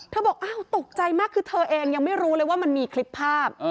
บอกอ้าวตกใจมากคือเธอเองยังไม่รู้เลยว่ามันมีคลิปภาพ